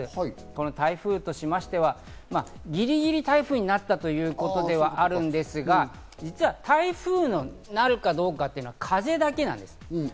この台風としましては、ギリギリ台風になったということではあるんですが、実は、台風になるかどうかというのは風だけなんです。